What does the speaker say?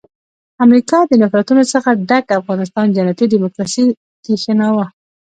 امریکا د نفرتونو څخه ډک افغانستان جنتي ډیموکراسي کښېناوه.